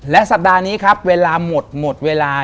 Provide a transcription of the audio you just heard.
และสัปดาห์นี้ครับเวลาหมดหมดเวลา